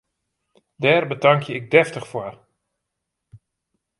Dêr betankje ik deftich foar!